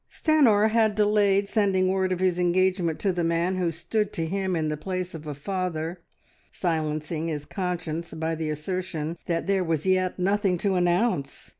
Stanor had delayed sending word of his engagement to the man who stood to him in the place of a father, silencing his conscience by the assertion that there was yet nothing to announce.